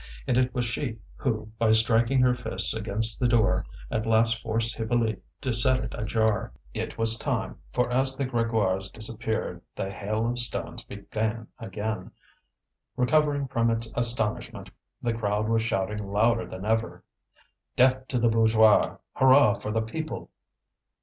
And it was she who, by striking her fists against the door, at last forced Hippolyte to set it ajar. It was time, for as the Grégoires disappeared, the hail of stones began again. Recovering from its astonishment, the crowd was shouting louder than ever: "Death to the bourgeois! Hurrah for the people!"